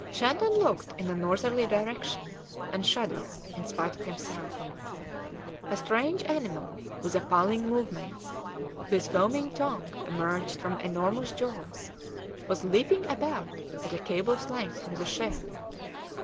Shandon looked in a northerly direction, and shuddered in spite of himself. A strange animal, with appalling movements, whose foaming tongue emerged from enormous jaws, was leaping about at a cable's length from the ship.